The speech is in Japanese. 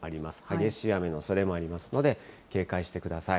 激しい雨のおそれもありますので警戒してください。